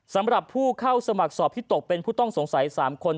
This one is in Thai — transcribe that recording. สำหรับผู้เข้าสมัครสอบที่ตกเป็นผู้ต้องสงสัย๓คน